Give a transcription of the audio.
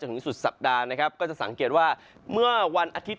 กั้นก็จะสังเกตว่าเมื่อวันอาทิตย์